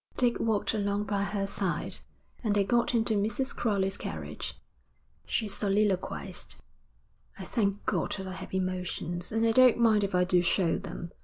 Dick walked along by her side, and they got into Mrs. Crowley's carriage. She soliloquised. 'I thank God that I have emotions, and I don't mind if I do show them.